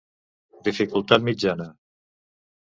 Dificultat mitjana.